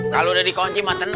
kalau udah dikunci matenang